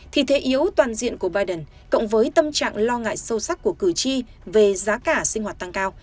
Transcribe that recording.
thì thế yếu toàn diện của biden cộng với tâm trạng lo ngại sâu sắc của cử tri về giá cả sinh hoạt tăng cao